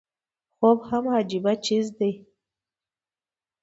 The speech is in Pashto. خوب هم عجيبه څيز دی